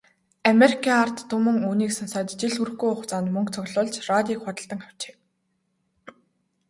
Америкийн ард түмэн үүнийг сонсоод жил хүрэхгүй хугацаанд мөнгө цуглуулж, радийг худалдан авчээ.